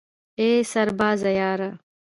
ای سربازه یاره